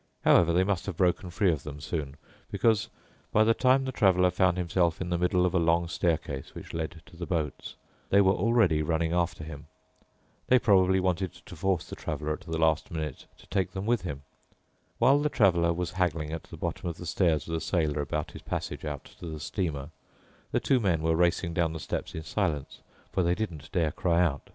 However, they must have broken free of them soon, because by the time the Traveler found himself in the middle of a long staircase which led to the boats, they were already running after him. They probably wanted to force the Traveler at the last minute to take them with him. While the Traveler was haggling at the bottom of the stairs with a sailor about his passage out to the steamer, the two men were racing down the steps in silence, for they didn't dare cry out.